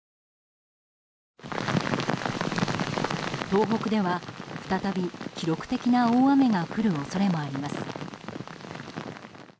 東北では再び記録的な大雨が降る恐れもあります。